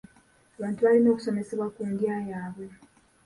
Abantu balina okusomesebwa ku ndya yaabwe.